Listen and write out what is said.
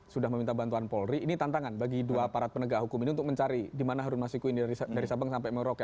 sudah meminta bantuan polri ini tantangan bagi dua aparat penegak hukum ini untuk mencari di mana harun masiku ini dari sabang sampai merauke